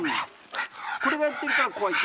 これがやってるから怖いって。